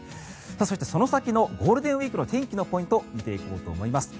そして、その先のゴールデンウィークの天気のポイントを見ていこうと思います。